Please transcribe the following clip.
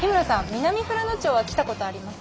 南富良野町は来たことありますか？